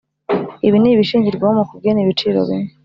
ibi ni ibishingirwaho mu kugena ibiciro bimwe